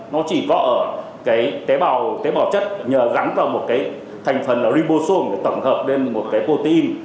nó chỉ vọ ở tế bào chất nhờ gắn vào một thành phần ribosome để tổng hợp lên một protein